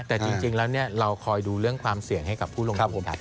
แต่จริงแล้วเราคอยดูเรื่องความเสี่ยงให้กับผู้ลงทุน